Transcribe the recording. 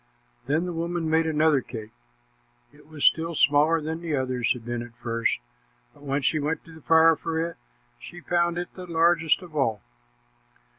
Then the woman made another cake. It was still smaller than the others had been at first, but when she went to the fire for it, she found it the largest of all.